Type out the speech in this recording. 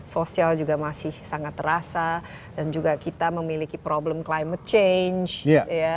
sosial juga masih sangat terasa dan juga kita memiliki problem climate change